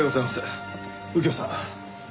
右京さん。